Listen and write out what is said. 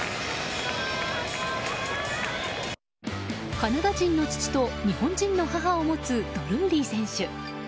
カナダ人の父と日本人の母を持つドルーリー選手。